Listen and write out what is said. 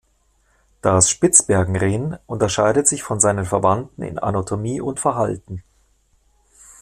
Das Spitzbergen-Ren unterscheidet sich von seinen Verwandten in Anatomie und Verhalten.